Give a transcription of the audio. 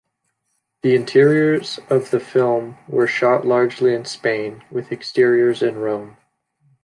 The interiors of the film were shot largely in Spain, with exteriors in Rome.